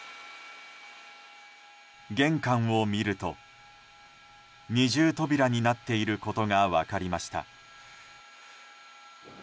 玄関を見ると二重扉になっていることが分かりました。